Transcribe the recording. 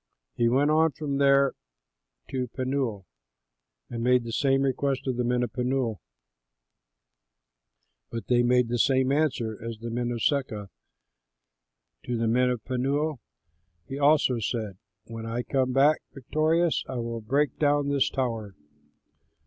He went on from there to Penuel and made the same request of the men of Penuel, but they made the same answer as the men of Succoth. To the men of Penuel he also said, "When I come back victorious, I will break down this tower."